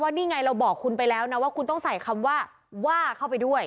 นี่ไงเราบอกคุณไปแล้วนะว่าคุณต้องใส่คำว่าว่าเข้าไปด้วย